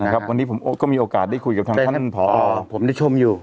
วันนี้ผมก็มีโอกาสได้คุยกับทางท่านผอผมได้ชมอยู่